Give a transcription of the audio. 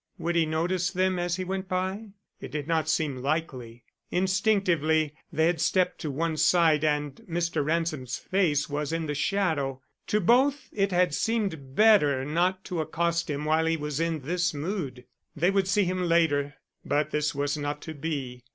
Would he notice them as he went by? It did not seem likely. Instinctively they had stepped to one side, and Mr. Ransom's face was in the shadow. To both it had seemed better not to accost him while he was in this mood. They would see him later. But this was not to be.